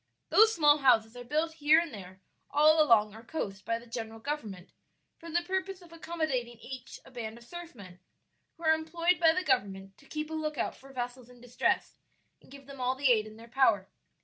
Those small houses are built here and there all along our coast by the general government, for the purpose of accommodating each a band of surf men, who are employed by the government to keep a lookout for vessels in distress, and give them all the aid in their power.